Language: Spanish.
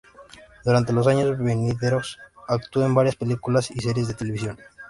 Durante los años venideros, actuó en varias películas y series de televisión.